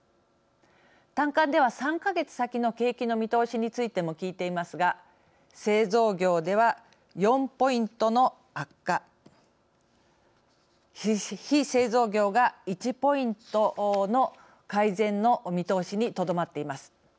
短観では３か月先の景気の見通しについても聞いていますが製造業では４ポイントの悪化非製造業が１ポイントの改善の見通しにとどまっています。